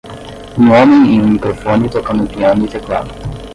Um homem em um microfone tocando um piano e teclado.